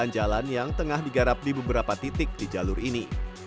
dan juga penambalan yang tengah digarap di beberapa titik di jalur ini